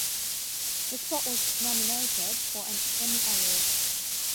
The spot was nominated for an Emmy Award.